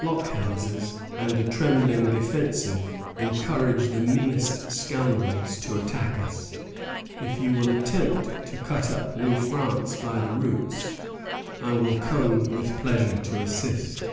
Blockhouses and a trembling defensive encourage the meanest scoundrels to attack us. If you will attempt to cut up New France by the roots, I will come with pleasure to assist."